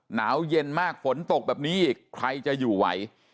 หนาวเย็นมากฝนตกแบบนี้อีกใครจะอยู่ไหว